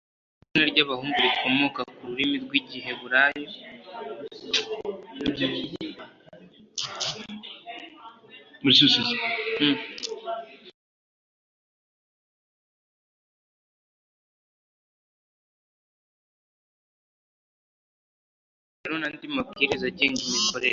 shingiro n andi mabwiriza agenga imikorere